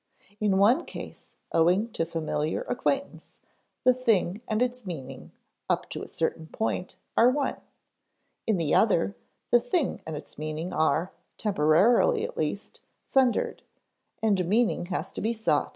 In one case, owing to familiar acquaintance, the thing and its meaning, up to a certain point, are one. In the other, the thing and its meaning are, temporarily at least, sundered, and meaning has to be sought in order to understand the thing.